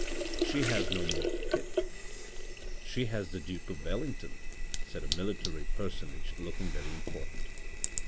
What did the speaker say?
She has no more Pitt." She has the Duke of Wellington," said a military personage looking very important.